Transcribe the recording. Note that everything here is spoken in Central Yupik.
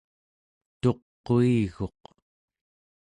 tuquiguq